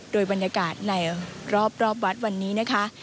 โดยบรรยากาศในรอบวัดวันนี้นะคะ